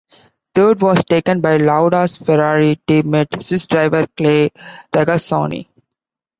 Third was taken by Lauda's Ferrari team mate, Swiss driver Clay Regazzoni.